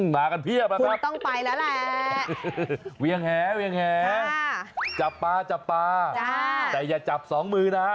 มากันเทียบนะครับจับปลาจับปลาแต่อย่าจับสองมือนะ